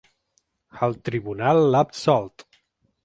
El tribunal l’ha absolt.